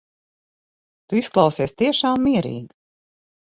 Tu izklausies tiešām mierīga.